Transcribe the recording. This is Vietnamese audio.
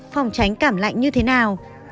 phòng tránh cảm lạnh như thế nào